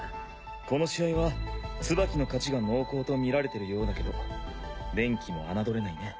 この試合はツバキの勝ちが濃厚と見られてるようだけどデンキも侮れないね。